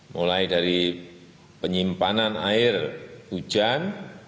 mulai dari penyimpanan air hujan